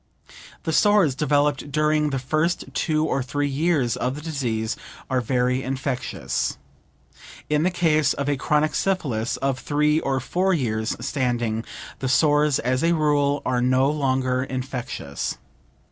The sores developed during the first two or three years of the disease are very infectious. In the case of a chronic syphilis of three or four years' standing, the sores as a rule are no longer infectious.